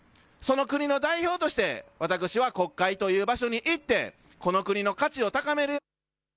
その国の代表として私は国会という場所に行ってこの国の価値を高める。